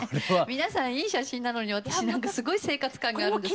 皆さんいい写真なのに私なんかすごい生活感があるんです。